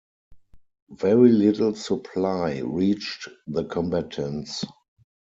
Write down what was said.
Very little supply reached the combatants.